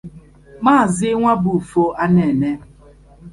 Maazị Nwabufo Anene